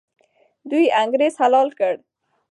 دوی انګریز حلال کړ.